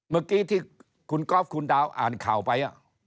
เมื่อกี้ที่คุณก๊อฟคุณดาวอ่านข่าวไป